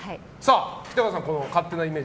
北川さん、この勝手なイメージ